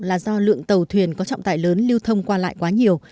là do lượng tàu thuyền có trọng tải lớn lưu thông qua lại quá nhiều